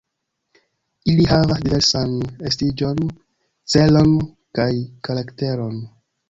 Ili havas diversan estiĝon, celon kaj karakteron.